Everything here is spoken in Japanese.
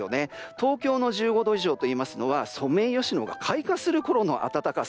東京の１５度以上というのはソメイヨシノが開花するころの暖かさ。